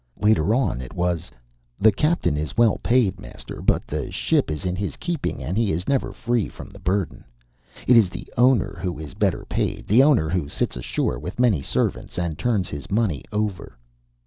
Later on it was: "The captain is well paid, master; but the ship is in his keeping, and he is never free from the burden. It is the owner who is better paid the owner who sits ashore with many servants and turns his money over."